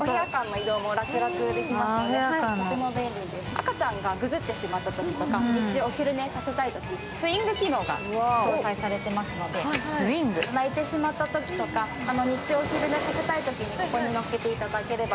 赤ちゃんがぐずってしまったときとか日中、お昼寝させたいときスウィング機能が搭載されていますので泣いてしまったときとか、日中お昼寝させたいときに、ここに乗せていただければ。